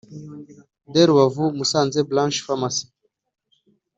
De Rubavu Musanze Branch Pharmacy